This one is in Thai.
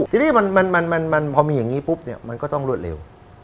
ทีนี้มันพอมีอย่างนี้ปุ๊บเนี่ยมันก็ต้องรวดเร็ว